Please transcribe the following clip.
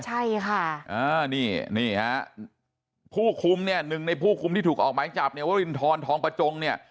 พลังคุมหนึ่งในผู้คุมที่ถูกออกหมายจับวินทรทองประจงเนี่ย